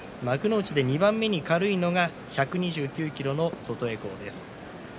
２番目に軽いのは１２９ｋｇの琴恵光です。